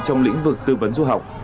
trong lĩnh vực tư vấn du học